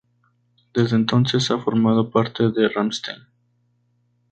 Desde entonces ha formado parte de Rammstein.